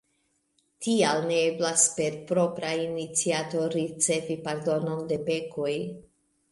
Tial ne eblas per propra iniciato ricevi pardonon de pekoj.